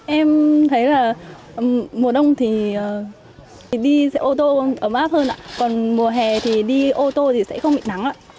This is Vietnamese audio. em thấy là mùa đông thì đi xe ô tô ấm áp hơn còn mùa hè thì đi ô tô thì sẽ không bị nắng